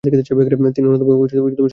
তিনি অন্যতম সেরা ফরোয়ার্ড ছিলেন।